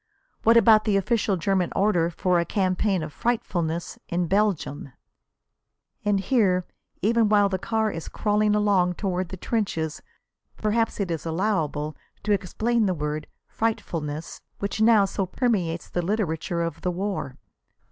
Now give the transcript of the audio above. "What about the official German order for a campaign of 'frightfulness' in Belgium?" And here, even while the car is crawling along toward the trenches, perhaps it is allowable to explain the word "frightfulness," which now so permeates the literature of the war.